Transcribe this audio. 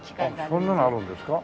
そんなのあるんですか？